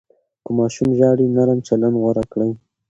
که ماشوم ژاړي، نرم چلند غوره کړئ.